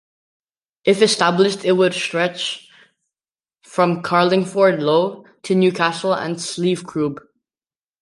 If established, it would stretch from Carlingford Lough to Newcastle and Slieve Croob.